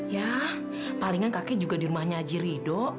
ya palingan kakek juga di rumahnya haji rido